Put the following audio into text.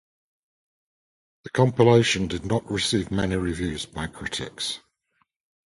The compilation did not receive many reviews by critics.